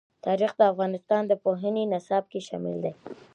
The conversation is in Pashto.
تاریخ د افغانستان د پوهنې نصاب کې شامل دي.